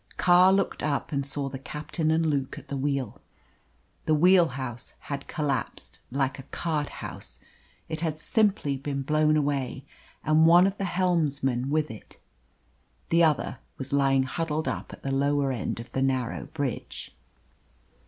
Carr looked up and saw the captain and Luke at the wheel. The wheelhouse had collapsed like a card house; it had simply been blown away, and one of the helmsmen with it. The other was lying huddled up at the lower end of the narrow bridge.